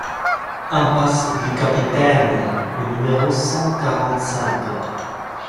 Impasse du Capitaine au numéro cent quarante-cinq